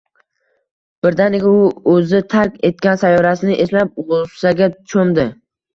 Birdaniga u o‘zi tark etgan sayyorasini eslab g‘ussaga cho‘mdi